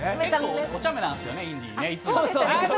おちゃめなんですね、インディ。